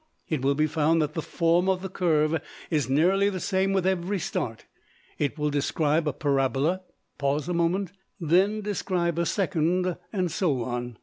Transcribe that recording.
It will be found that the form of the curve is nearly the same with every start. It will describe a parabola, pause a moment, then describe a second, and so on.